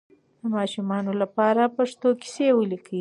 د ماشومانو لپاره پښتو کیسې ولیکئ.